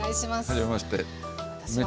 はじめまして。